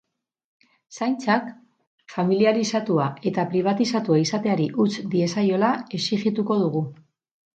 Zaintzak familiarizatua eta pribatizatua izateari utz diezaiola exijituko dugu.